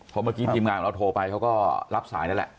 เพราะเมื่อกี้ทีมงานของเราโทรไปเขาก็รับสายนั่นแหละ